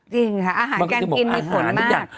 จริงค่ะอาหารการกินมีผลมาก